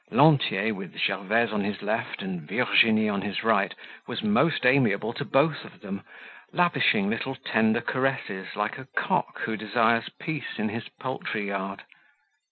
Lantier, with Gervaise on his left and Virginie on his right, was most amiable to both of them, lavishing little tender caresses like a cock who desires peace in his poultry yard.